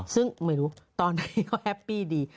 ซึ่งไม่รู้ตอนนี้เขาแฮปปี้ดี